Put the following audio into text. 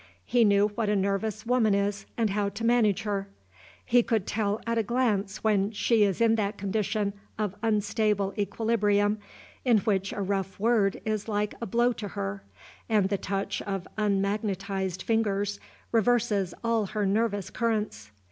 He knew what a nervous woman is, and how to manage her. He could tell at a glance when she is in that condition of unstable equilibrium in which a rough word is like a blow to her, and the touch of unmagnetized fingers reverses all her nervous currents.